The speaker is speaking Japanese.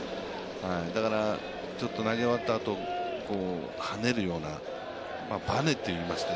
だから投げ終わったあと跳ねるような、バネといいますか。